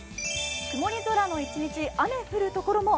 曇り空の一日、雨降る所も。